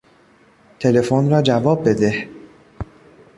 تلفن را جواب بده!